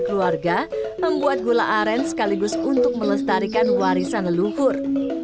keluarga membuat gula aren sekaligus untuk melestarikan warisan leluhur